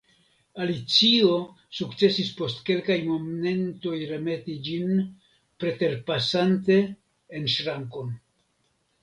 Alicio sukcesis post kelkaj momentoj remeti ĝin, preterpasante, en ŝrankon.